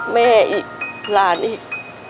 แม่อีกหลานอีก